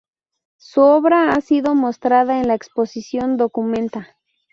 Su obra ha sido mostrada en la exposición Documenta.